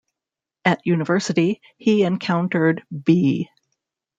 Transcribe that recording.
At university, he encountered B.